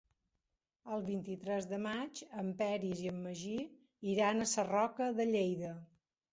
El vint-i-tres de maig en Peris i en Magí iran a Sarroca de Lleida.